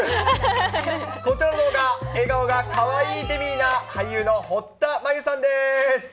こちらの笑顔がかわいいデミーなのが、俳優の堀田真由さんです。